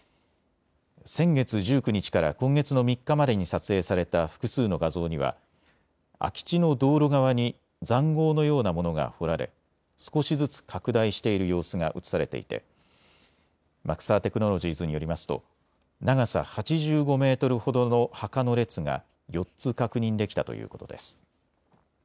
先月１９日から今月の３日までに撮影された複数の画像には空き地の道路側にざんごうのようなものが掘られ少しずつ拡大している様子が写されていてマクサー・テクノロジーズによりますと長さ８５メートルほどの墓の列が４つ確認できたということです。